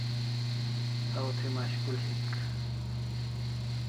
Saw thi mashkul hik